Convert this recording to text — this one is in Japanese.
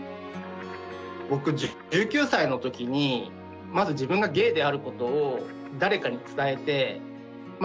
僕１９歳の時にまず自分がゲイであることを誰かに伝えてまあ